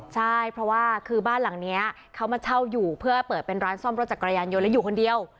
ใช่เพราะว่าคือบ้านหลังนี้เขามาเช่าอยู่เพื่อเปิดเป็นร้านซ่อมรถจักรยานยนต์แล้วอยู่คนเดียว